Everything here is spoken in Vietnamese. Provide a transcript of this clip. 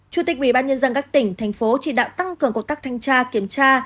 chủ tịch ubnd các tỉnh thành phố chỉ đạo tăng cường cuộc tác thanh tra kiểm tra